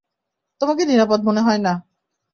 তোমাকে নিরাপদ মনে হয় না!